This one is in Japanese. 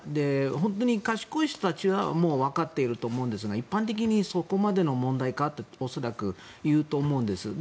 本当に賢い人たちはもう分かっていると思うんですが一般的にそこまでの問題か？と恐らく言うと思うんです。